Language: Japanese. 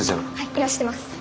いらしてます。